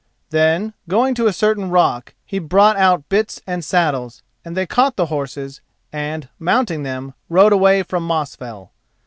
Then, going to a certain rock, he brought out bits and saddles, and they caught the horses, and, mounting them, rode away from Mosfell.